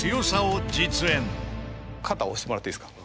肩押してもらっていいですか？